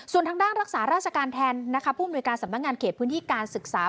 ส่วนทางด้านรักษาราชการแทนนะคะผู้อำนวยการสำนักงานเขตพื้นที่การศึกษา